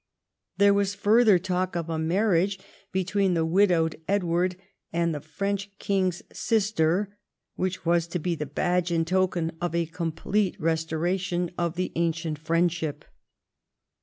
There was further talk of a marriage between the widowed Edward and the French king's sister, which was to be the badge and token of a complete restoration of the ancient friendship.